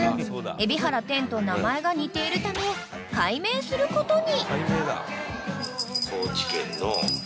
海老原テンと名前が似ているため改名することに］